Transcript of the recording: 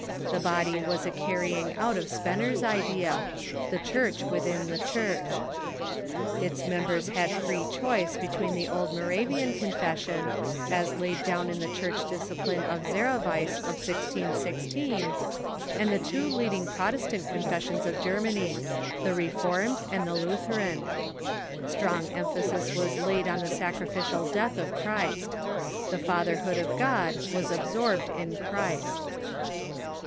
The body was a carrying out of Spener's idea — the Church within the Church. Its members had free choice between the old Moravian Confession, as laid down in the Church Disci pline of Zerawiez of 1616, and the two leading Protestant Confessions of Germany — the Reformed and the Lutheran. Strong emphasis was laid on the sacrificial death of Christ. The Fatherhood of God was absorbed in Christ.